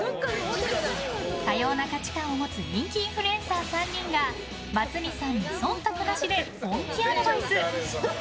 多様な価値観を持つ人気インフルエンサー３人がバツ２さんに忖度なしで本気アドバイス。